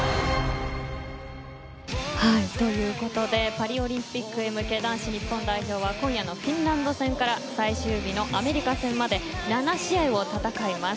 パリオリンピックへ向け男子日本代表は今夜のフィンランド戦から最終日のアメリカ戦まで７試合を戦います。